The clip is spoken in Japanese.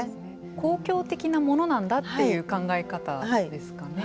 公共的なものなんだっていう考え方ですかね。